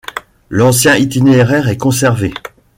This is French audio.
L’ancien itinéraire est conservé.